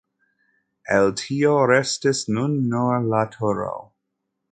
El tio restis nun nur la turo.